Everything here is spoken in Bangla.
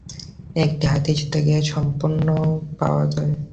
একটি হাদীস থেকে এর সমর্থন পাওয়া যায়।